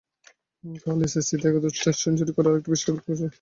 কাল এসএসসিতে একাদশ টেস্ট সেঞ্চুরি করেই আরেকটি বিশ্ব রেকর্ড ছুঁয়েছেন জয়াবর্ধনে।